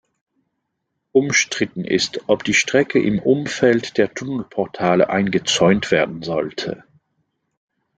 Umstritten ist, ob die Strecke im Umfeld der Tunnelportale eingezäunt werden sollte.